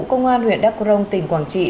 công an huyện đắk cổ rông tỉnh quảng trị